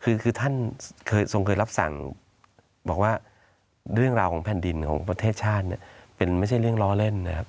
คือไม่ใช่เรื่องร้อนล่ะครับ